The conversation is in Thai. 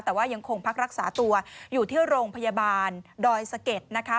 แต่ว่ายังคงพักรักษาตัวอยู่ที่โรงพยาบาลดอยสะเก็ดนะคะ